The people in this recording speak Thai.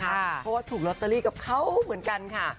เพราะว่าถูกระวัลเลขท้ายกับเขาเหมือนกันค่ะ